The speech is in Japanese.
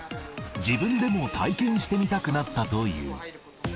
自分でも体験してみたくなったという。